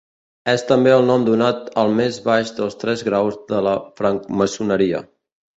És també el nom donat al més baix dels tres graus de la francmaçoneria.